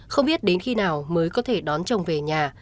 không biết đến khi nào mới có thể đón chồng về nhà